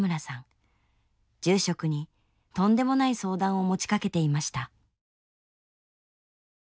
住職にとんでもない相談を持ちかけていました